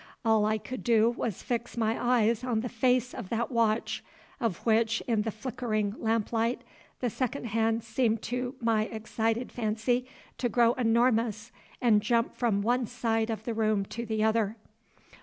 All I could do was fix my eyes on the face of that watch, of which in the flickering lamp light the second hand seemed to my excited fancy to grow enormous and jump from one side of the room to the other.